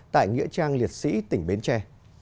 tại nghĩa trang liệt sĩ tỉnh bến tre